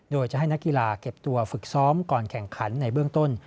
โดยจะให้นักกีฬาเก็บตัวฝึกซ้อมก่อนแข่งขันในเบื้องต้น